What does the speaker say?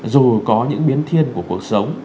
dù có những biến thiên của cuộc sống